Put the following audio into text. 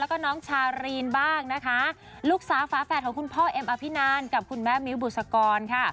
แล้วก็น้องชารีนบ้างนะคะลูกสาวฝาแฝดของคุณพ่อเอ็มอภินันกับคุณแม่มิ้วบุษกรค่ะ